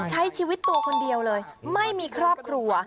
ใช้ชีวิตตัวคนเดียวเลยไม่มีครอบครัว